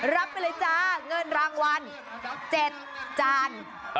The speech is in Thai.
รับไปเลยจ้าเงินรางวัล๗จาน